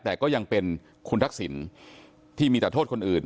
แต่ก็ยังเป็นคุณทักษิณที่มีแต่โทษคนอื่น